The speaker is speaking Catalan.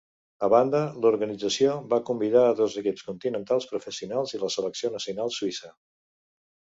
A banda, l'organització va convidar a dos equips continentals professionals i la selecció nacional suïssa.